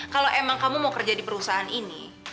kalau emang kamu mau kerja di perusahaan ini